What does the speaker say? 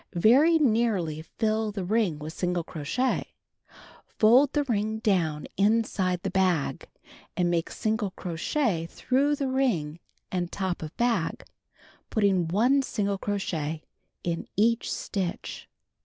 Very nearly fill the ring with single cro chet. Fold the ring down inside the bag, and make single crochet through the ring and top of bag, putting 1 single cro chet in each stitch.